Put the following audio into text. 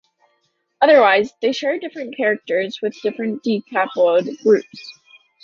Otherwise, they share different characters with different decapod groups.